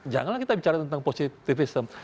janganlah kita bicara tentang positivism